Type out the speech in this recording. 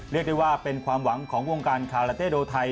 เรียกได้ว่าเป็นความหวังของวงการคาราเต้โดไทย